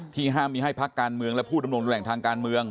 ห้ามมีให้พักการเมืองและผู้ดำรงแหล่งทางการเมือง